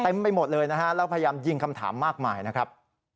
ไปหมดเลยนะฮะแล้วพยายามยิงคำถามมากมายนะครับ